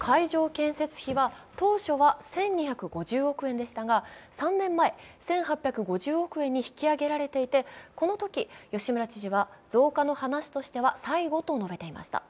建設費は、当初は１２５０億円でしたが、３年前１８５０億円に引き上げられていて、このとき吉村知事は増加の話としては最後と述べていました。